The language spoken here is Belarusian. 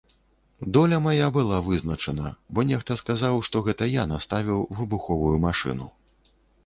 Доля была мая вызначана, бо нехта сказаў, што гэта я наставіў выбуховую машыну.